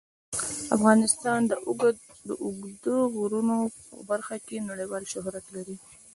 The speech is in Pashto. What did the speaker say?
افغانستان د اوږده غرونه په برخه کې نړیوال شهرت لري.